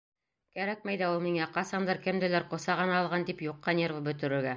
Кәрәкмәй ҙә ул миңә, ҡасандыр, кемделер ҡосағына алған тип, юҡҡа нервы бөтөрөргә.